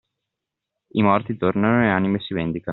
I morti tornano e le anime si vendicano!